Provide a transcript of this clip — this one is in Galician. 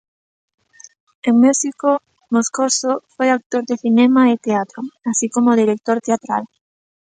En México, Moscoso foi actor de cinema e teatro, así como director teatral.